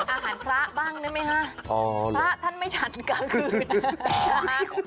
อาหารพระบ้างได้มั้ยคะพระท่านไม่ฉันกลางคืน